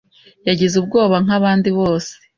yagize ubwoba nkabandi bose.